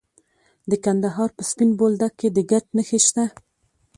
د کندهار په سپین بولدک کې د ګچ نښې شته.